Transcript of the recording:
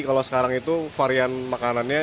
kalau sekarang itu varian makanannya